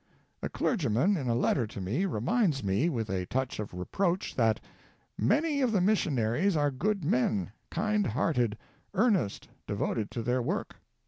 A clergyman, in a letter to me, reminds me, with a touch of reproach, that "many of the missionaries are good men, kind hearted, earnest, devoted to their work."